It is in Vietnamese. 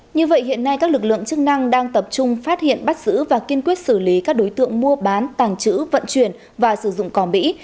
như vậy hiện nay các lực lượng chức năng đang tập trung phát hiện bắt giữ và kiên quyết xử lý các đối tượng mua bán tàng trữ vận chuyển và sử dụng cỏ mỹ